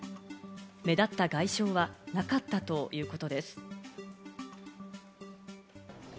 目立った外傷はなかったということです。